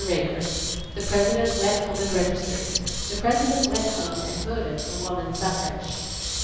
RAKER: The President went home and registered. The President went home and voted for woman suffrage.